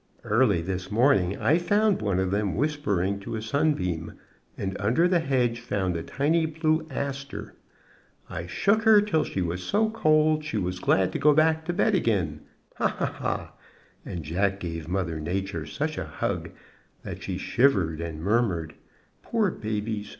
Early this morning I found one of them whispering to a sunbeam, and under the hedge found a tiny blue aster. I shook her till she was so cold she was glad to go back to bed again. Ha! ha! ha!" and Jack gave Mother Nature such a hug that she shivered, and murmured: "Poor babies!